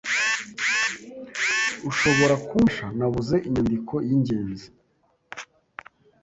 Ushobora kumfasha? Nabuze inyandiko y'ingenzi.